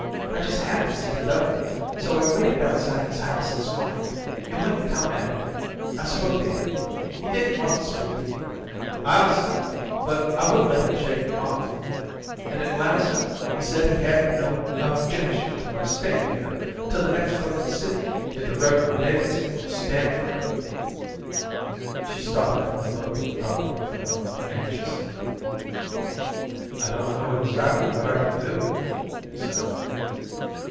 I just had to see the governor, so I waited outside his house this morning, and when he come out I spoke to him. He didn't want to speak to me, I'll say, but I wouldn't let him shake me off, and at last he said he hadn't no objection to my staying here till the next boat to Sydney if the Rev. Davidson will stand for it." She stopped and looked at Dr Macphail anxiously. "I don't know exactly what I can do," he said.